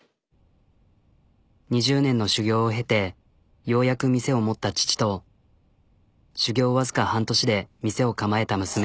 ２０年の修業を経てようやく店を持った父と修業僅か半年で店を構えた娘。